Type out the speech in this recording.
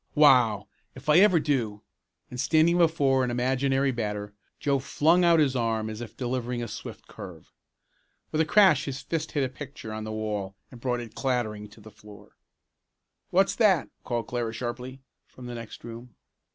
"Wow! If I ever do!" and standing before an imaginary batter Joe flung out his arm as if delivering a swift curve. With a crash his fist hit a picture on the wall and brought it clattering down to the floor. "What's that?" called Clara sharply from the next room.